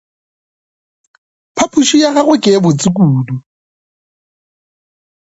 Phapoši ya gagwe ke ye botse kudu.